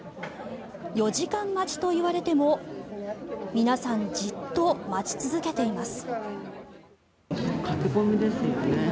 ４時間待ちと言われても皆さんじっと待ち続けています。